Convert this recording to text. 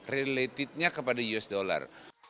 relatednya kepada us dollar